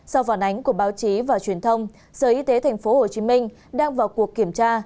sau phản ánh của báo chí và truyền thông sở y tế tp hồ chí minh đang vào cuộc kiểm tra